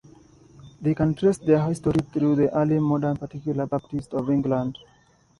They can trace their history through the early modern Particular Baptists of England.